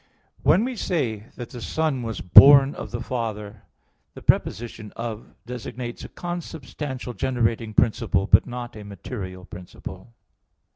1: When we say that the Son was born of the Father, the preposition "of" designates a consubstantial generating principle, but not a material principle.